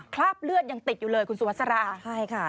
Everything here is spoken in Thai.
คราบเลือดยังติดอยู่เลยคุณสุวัสดิ์สารา